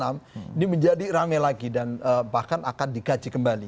ini menjadi rame lagi dan bahkan akan dikaji kembali